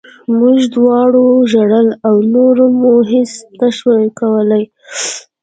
موږ دواړو ژړل او نور مو هېڅ نه شول کولی